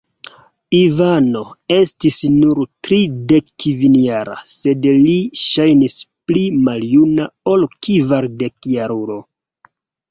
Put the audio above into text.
Ivano estis nur tridekkvinjara, sed li ŝajnis pli maljuna ol kvardekjarulo.